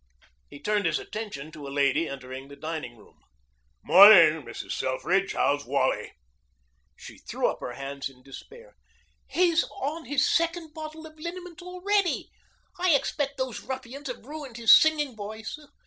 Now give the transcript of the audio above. He turned his attention to a lady entering the dining room. "'Mornin', Mrs. Selfridge. How's Wally?" She threw up her hands in despair. "He's on his second bottle of liniment already. I expect those ruffians have ruined his singing voice.